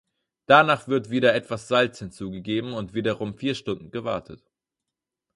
Danach wird wieder etwas Salz hinzugegeben und wiederum vier Stunden gewartet.